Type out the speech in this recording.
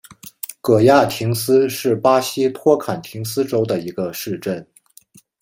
戈亚廷斯是巴西托坎廷斯州的一个市镇。